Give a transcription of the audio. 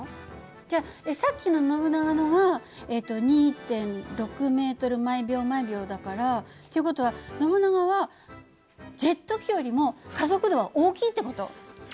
じゃさっきのノブナガのが２．６ｍ／ｓだから。っていう事はノブナガはジェット機よりも加速度は大きいって事！？